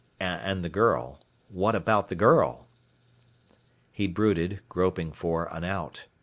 And the girl. What about the girl? He brooded, groping for an out.